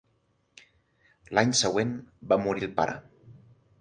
L'any següent va morir el pare.